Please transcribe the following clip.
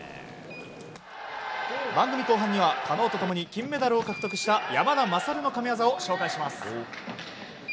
番組後半には加納と共にオリンピック金メダルを獲得した山田優の神技を紹介します。